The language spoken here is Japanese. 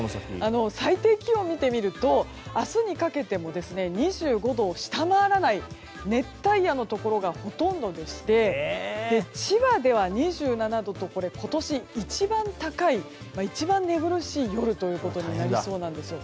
最低気温見てみると明日にかけても２５度を下回らない熱帯夜のところがほとんどでして千葉では２７度と今年一番高い一番寝苦しい夜となりそうです。